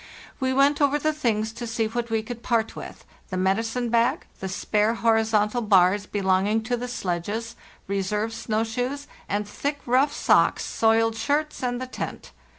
We went over the things to see what we could part with; the medicine bag, the spare horizontal bars belonging to the sledges, reserve snow shoes and thick, rough socks, soiled shirts, and the tent.